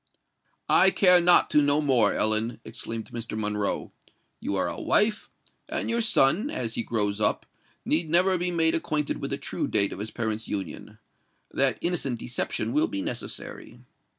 "I care not to know more, Ellen!" exclaimed Mr. Monroe. "You are a wife—and your son, as he grows up, need never be made acquainted with the true date of his parents' union. That innocent deception will be necessary."